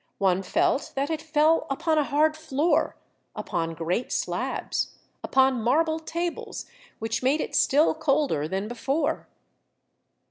One felt that it fell upon a hard floor, upon great slabs, upon marble tables which made it still colder than before.